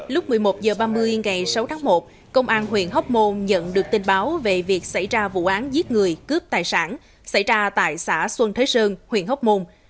lúc một mươi một h ba mươi ngày sáu tháng một công an huyện hóc môn nhận được tin báo về việc xảy ra vụ án giết người cướp tài sản xảy ra tại xã xuân thế sơn huyện hóc môn